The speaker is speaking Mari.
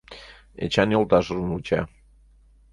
Эчан йолташыжым вуча.